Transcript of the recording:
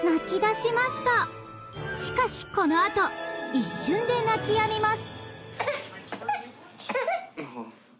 しかしこのあと一瞬で泣きやみます